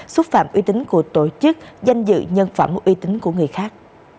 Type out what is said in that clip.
xúc phạm uy tín của tổ chức danh dự nhân phẩm uy tín của người khác